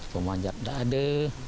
pemanjat nggak ada